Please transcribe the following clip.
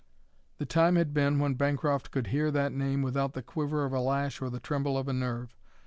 The time had been when Bancroft could hear that name without the quiver of a lash or the tremble of a nerve.